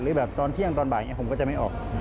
แบบตอนเที่ยงตอนบ่ายอย่างนี้ผมก็จะไม่ออก